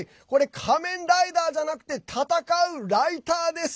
仮面ライダーじゃなくて戦うライターです。